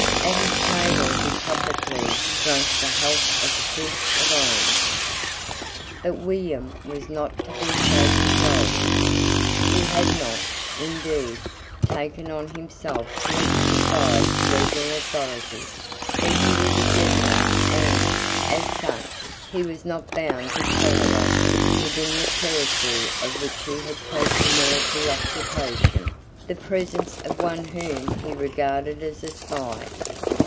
At his table he publicly drank the health of the Prince of Orange. But William was not to be so cajoled. He had not, indeed, taken on himself to exercise regal authority: but he was a general and, as such, he was not bound to tolerate, within the territory of which he had taken military occupation, the presence of one whom he regarded as a spy.